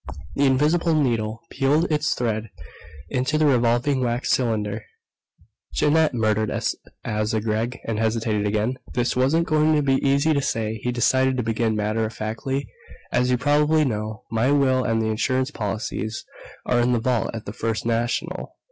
The invisible needle peeled its thread into the revolving wax cylinder. "Jeannette," muttered Asa Gregg, and hesitated again. This wasn't going to be easy to say. He decided to begin matter of factly. "As you probably know, my will and the insurance policies are in the vault at the First National.